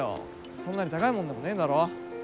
そんなに高いもんでもねえだろ。